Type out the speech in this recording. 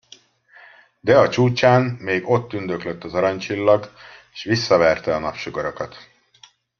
De a csúcsán még ott tündöklött az aranycsillag, s visszaverte a napsugarakat.